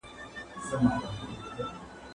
شریف د خپل معاش په تمه دی.